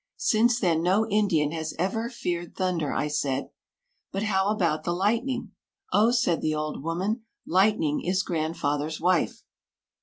Since then no Indian has ever feared thunder." I said, "But how about the lightning?" "Oh," said the old woman, "lightning is grandfather's wife."